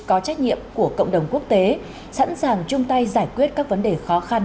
có trách nhiệm của cộng đồng quốc tế sẵn sàng chung tay giải quyết các vấn đề khó khăn